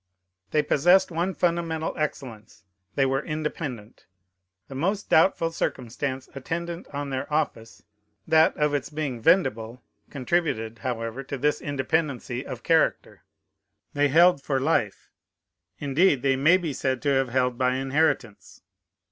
They possessed one fundamental excellence: they were independent. The most doubtful circumstance attendant on their office, that of its being vendible, contributed, however, to this independency of character. They held for life. Indeed, they may be said to have held by inheritance.